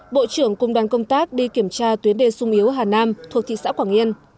bộ trưởng cùng đoàn công tác đi kiểm tra tuyến đê sung yếu hà nam thuộc thị xã quảng yên